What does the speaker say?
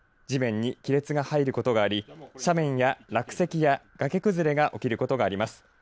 地面に亀裂が入ることがあり斜面や落石や崖崩れが起きることがあります。